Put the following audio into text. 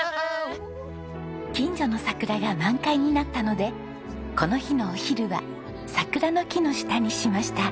近所の桜が満開になったのでこの日のお昼は桜の木の下にしました。